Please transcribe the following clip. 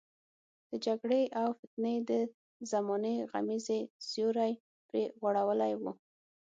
د جګړې او فتنې د زمانې غمیزې سیوری پرې غوړولی وو.